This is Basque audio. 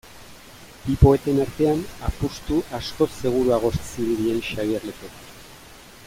Bi poeten artean, apustu askoz seguruagoa zirudien Xabier Lete.